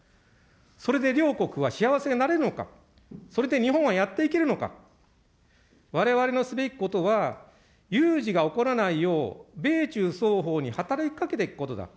それで両国は幸せになれるのか、それで日本はやっていけるのか、われわれのすべきことは、有事が起こらないよう米中双方に働きかけていくことだ。